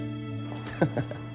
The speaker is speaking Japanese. ハハハハッ